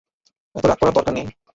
এতো রাগ করার দরকার নেই।